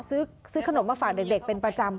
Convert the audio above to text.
ซื้อขนมมาฝากเด็กเป็นประจำ